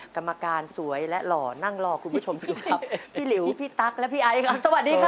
กรรมการสวยและหล่อนั่งรอคุณผู้ชมอยู่ครับพี่หลิวพี่ตั๊กและพี่ไอครับสวัสดีครับ